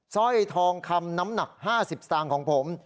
สร้อยทองคำน้ำหนัก๕๐สตางค์ของผม